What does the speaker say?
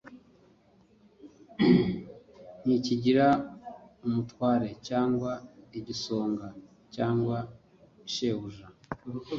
Ntikigira umutware cyangwa igisonga cyangwa shebuja